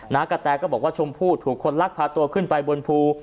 กระแตก็บอกว่าชมพู่ถูกคนลักพาตัวขึ้นไปบนภู